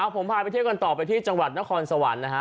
ผมพาไปเที่ยวกันต่อไปที่จังหวัดนครสวรรค์นะฮะ